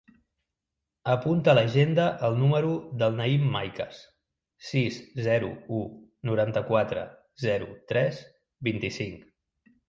Apunta a l'agenda el número del Naïm Maicas: sis, zero, u, noranta-quatre, zero, tres, vint-i-cinc.